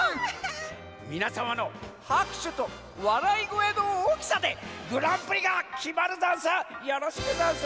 みなさまのはくしゅとわらいごえのおおきさでグランプリがきまるざんす！